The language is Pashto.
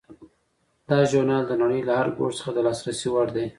دا ژورنال د نړۍ له هر ګوټ څخه د لاسرسي وړ دی.